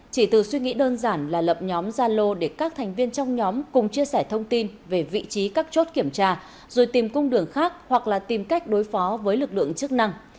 chỉ từ suy nghĩ đơn giản là lập nhóm gia lô để các thành viên trong nhóm cùng chia sẻ thông tin về vị trí các chốt kiểm tra rồi tìm cung đường khác hoặc là tìm cách đối phó với lực lượng chức năng